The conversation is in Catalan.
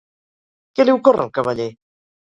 Què li ocorre al cavaller?